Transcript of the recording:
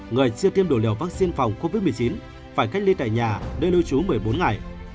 người chưa tiêm đủ liều vaccine phòng covid một mươi chín phải cách ly tại nhà nơi lưu trú một mươi bốn ngày